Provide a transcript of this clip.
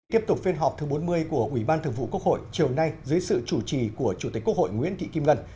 tiếp tục phiên họp thứ bốn mươi của ủy ban thường vụ quốc hội chiều nay dưới sự chủ trì của chủ tịch quốc hội nguyễn thị kim ngân